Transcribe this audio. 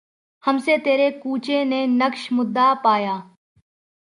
ہم سے تیرے کوچے نے نقش مدعا پایا